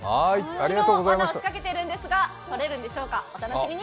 わなをしかけているんですが、捕れるんでしょうか、お楽しみに！